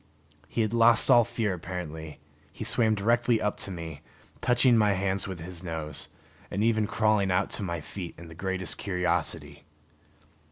He had lost all fear apparently; he swam directly up to me, touching my hands with his nose, and even crawling out to my feet in the greatest curiosity.